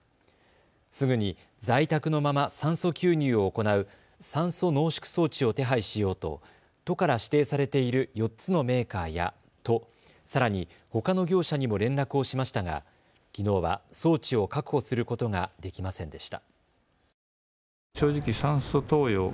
すぐに在宅のまま酸素吸入を行う酸素濃縮装置を手配しようと都から指定されている４つのメーカーや都、さらにほかの業者にも連絡をしましたがきのうは装置を確保することができませんでした。